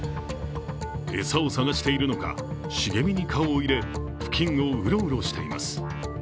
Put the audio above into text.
餌を探しているのか、茂みに顔を入れ、付近をウロウロしています。